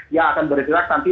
yang akan bergerak nanti